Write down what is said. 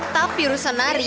tapi rusan nari